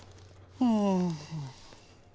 うん。